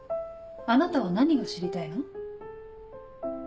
あなたは何が知りたいの？